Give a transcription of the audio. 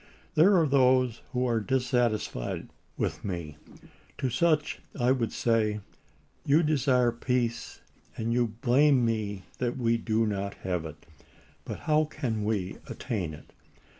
There are those who are dissatisfied with me. To such I would say : You desire peace, and you blame me that we do not have it. But how can we attain it